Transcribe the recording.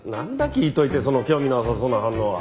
聞いておいてその興味なさそうな反応は。